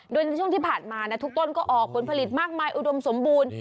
โดยในช่วงที่ผ่านมาทุกต้นก็ออกผลผลิตมากมายอุดมสมบูรณ์